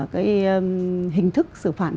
cái hình thức xử phạt của tội phạm này